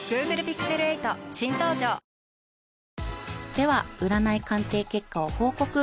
［では占い鑑定結果を報告］